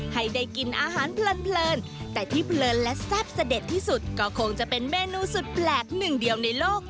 ให้ได้กินอาหารเพลินแต่ที่เพลินและแซ่บเสด็จที่สุดก็คงจะเป็นเมนูสุดแปลกหนึ่งเดียวในโลก